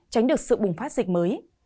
tránh được sự bùng phát dịch mới